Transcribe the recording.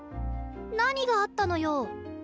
何があったのよ。